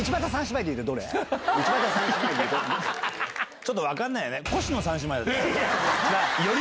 ちょっと分かんないよね。